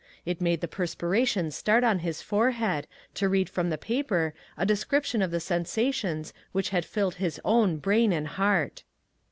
It made the perspira tion start on his forehead to read from the paper a description of the sensations which had filled his own brain and heart.